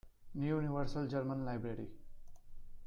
New Universal German Library.